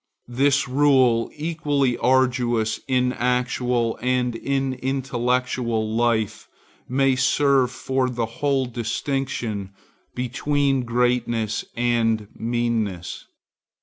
This rule, equally arduous in actual and in intellectual life, may serve for the whole distinction between greatness and meanness.